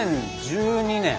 ２０１２年。